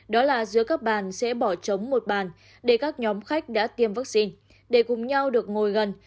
đó là dưới các bàn sẽ bỏ trống một bàn để các nhóm khách đã tiêm vaccine để cùng nhau được ngồi gần